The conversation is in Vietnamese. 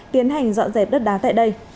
tiến hành dọn dẹp đất đá tại đây